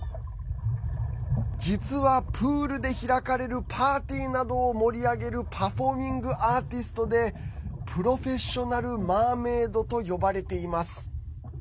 実は、プールで開かれるパーティーなどを盛り上げるパフォーミングアーティストでプロフェッショナル・マーメードと呼ばれています。